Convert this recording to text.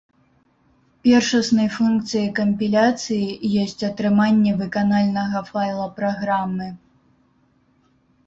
Першаснай функцыяй кампіляцыі ёсць атрыманне выканальнага файла праграмы.